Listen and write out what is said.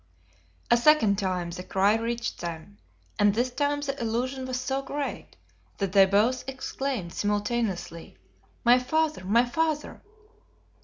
A second time the cry reached them, and this time the illusion was so great, that they both exclaimed simultaneously, "My father! My father!"